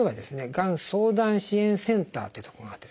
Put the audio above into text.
がん相談支援センターっていうとこがあってですね